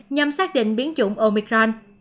nhằm xác định biến chủng omicron